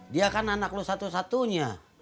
dia kan anak lu satu satunya